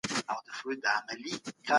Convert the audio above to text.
د تاریخ تکرار یو منل سوی حقیقت دی.